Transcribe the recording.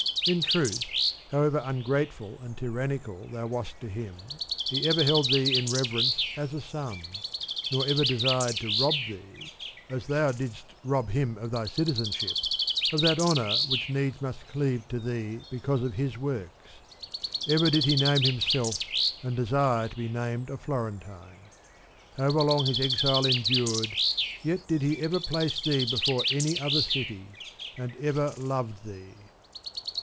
In truth, however ungrateful and tyrannical thou wast to him, he ever held thee in reverence as a son, nor ever desired to rob thee (as thou didst rob him of thy citizenship) of that honour which needs must cleave to thee because of his works. 47 Ever did he name himself and desire to be named a Florentine. However long his exile endured, yet did he ever place thee before any other city, and ever loved thee.